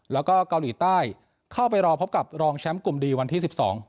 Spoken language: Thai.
แล้วก็เกาหลีใต้เข้าไปรอพบกับรองแชมป์กลุ่มดีวันที่สิบสอง